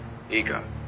「いいか？